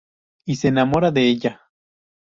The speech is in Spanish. Y se enamora de ella.